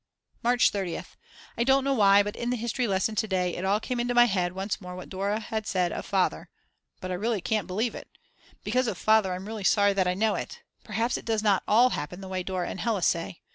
March 30th. I don't know why, but in the history lesson to day it all came into my head once more what Dora had said of Father. But I really can't believe it. Because of Father I'm really sorry that I know it. Perhaps it does not all happen the way Dora and Hella say.